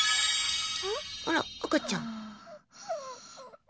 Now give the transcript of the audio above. あら、赤ちゃん。